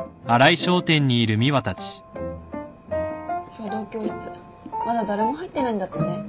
書道教室まだ誰も入ってないんだってね。